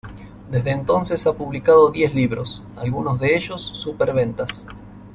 Desde entonces ha publicado diez libros, algunos de ellos superventas.